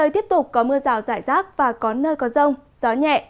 tiếp tục có mưa rào rải rác và có nơi có rông gió nhẹ